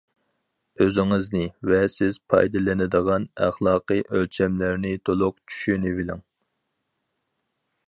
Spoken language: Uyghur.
ئۆزىڭىزنى ۋە سىز پايدىلىنىدىغان ئەخلاقىي ئۆلچەملەرنى تولۇق چۈشىنىۋېلىڭ.